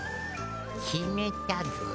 きめたぞえ。